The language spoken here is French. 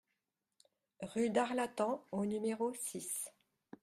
Rue d'Arlatan au numéro six